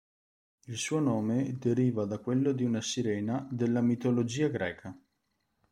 Il suo nome deriva da quello di una sirena della mitologia greca.